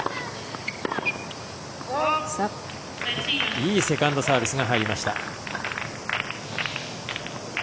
いいセカンドサービスが入りました。